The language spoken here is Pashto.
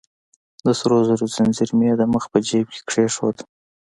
د سرو زرو ځنځیر مې يې د مخ په جیب کې کېښود.